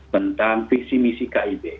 tentang visi misi kib